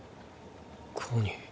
コニー。